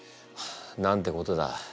なんてことだ。